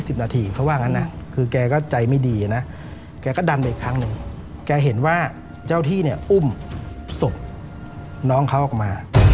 สบน้องเขาออกมา